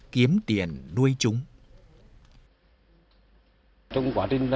kiếm tiền nuôi chúng